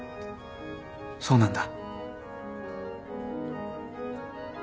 そうなんだ。